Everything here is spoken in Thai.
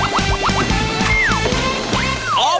อ๋อประจอบ